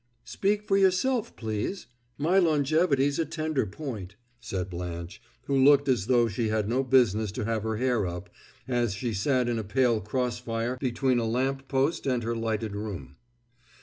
"Speak for yourself, please! My longevity's a tender point," said Blanche, who looked as though she had no business to have her hair up, as she sat in a pale cross fire between a lamp post and her lighted room.